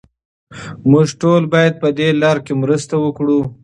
موږ ټول باید پهدې لاره کې مرسته وکړو.